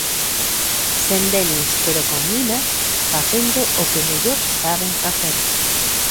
Sen Denis, pero con Mina, facendo o que mellor saben facer.